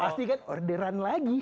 pasti kan orderan lagi